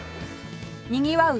にぎわう